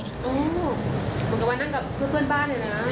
เหมือนกับวันนั้นกับเพื่อนบ้านเหรอนะ